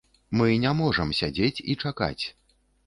Мы не можам сядзець і чакаць.